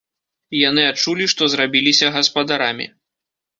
Яны адчулі, што зрабіліся гаспадарамі.